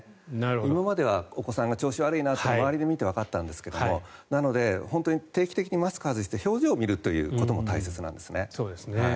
今まではお子さんが調子悪いなっていうのは周りで見ていてわかったんですがなので定期的にマスクを外して表情を見るということも大切なんですね。